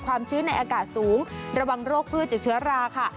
ชื้นในอากาศสูงระวังโรคพืชจากเชื้อราค่ะ